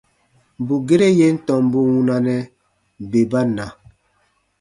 Bù gere yè n tɔmbu wunanɛ, bè ba na.